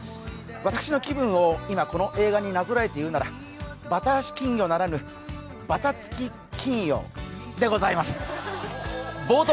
私の気分を今、この映画になぞらえて言うならばばた足金魚ならぬ「ばたつき金魚」でございます。